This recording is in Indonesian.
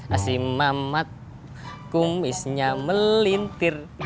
asimamat kumisnya melintir